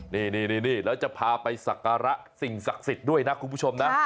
นี่แล้วจะพาไปสักการะสิ่งศักดิ์สิทธิ์ด้วยนะคุณผู้ชมนะ